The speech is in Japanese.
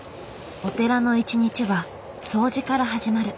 お寺の一日は掃除から始まる。